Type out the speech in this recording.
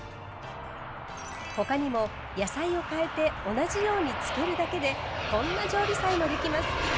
他にも野菜を変えて同じようにつけるだけでこんな常備菜もできます。